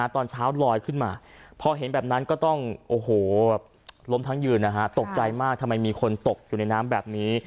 ตอนเช้าลอยขึ้นมาพอเห็นแบบนั้นก็ต้องโอ้โหล้มทั้งยืนนะฮะตกใจมากทำไมมีคนตกอยู่ในน้ำแบบนี้